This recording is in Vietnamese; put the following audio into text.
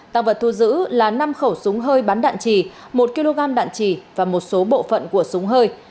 tăng vật thu giữ là năm khẩu súng hơi bắn đạn trì một kg đạn trì và một số bộ phận của súng hơi